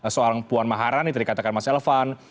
soal puan maharani tadi katakan mas elvan